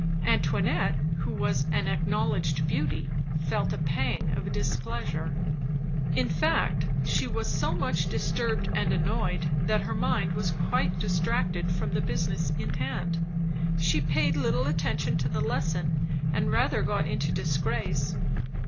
Antoinette, who was an acknowledged beauty, felt a pang of displeasure. In fact she was so much disturbed and annoyed that her mind was quite distracted from the business in hand; she paid little attention to the lesson and rather got into disgrace.